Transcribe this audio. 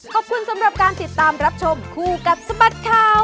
ขอบคุณสำหรับการติดตามรับชมคู่กับสบัดข่าว